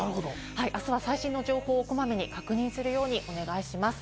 あすは最新の情報をこまめに確認するようにお願いします。